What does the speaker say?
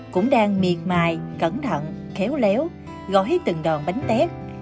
cũng đang miệt mài cẩn thận khéo léo gói từng đòn bánh tét